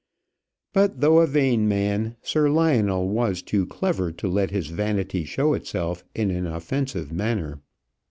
But though a vain man, Sir Lionel was too clever to let his vanity show itself in an offensive manner.